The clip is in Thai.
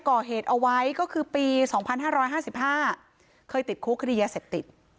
ก่อเหตุเอาไว้ก็คือปีสองพันห้าร้อยห้าสิบห้าเคยติดคุกคดีเยอะเศษติด